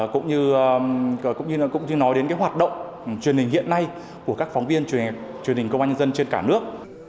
cũng như nói đến hoạt động truyền hình hiện nay của các phóng viên truyền hình công an nhân dân trên cả nước